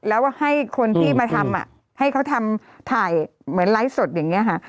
แล้วให้คนที่มาทำให้เขาทำถ่ายเหมือนไลฟ์สดอย่างนี้ค่ะ